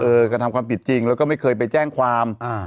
กระทำความผิดจริงแล้วก็ไม่เคยไปแจ้งความอ่า